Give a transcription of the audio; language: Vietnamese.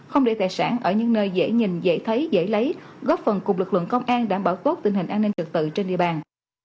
không để tài sản ở những nơi dễ nhìn dễ thấy dễ lấy góp phần cùng lực lượng công an đảm bảo tốt tình hình an ninh trật tự trên địa bàn